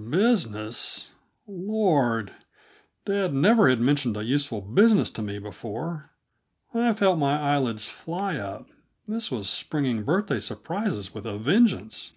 Business? Lord! dad never had mentioned a useful business to me before. I felt my eyelids fly up; this was springing birthday surprises with a vengeance.